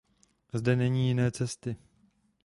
Zde není jiné cesty.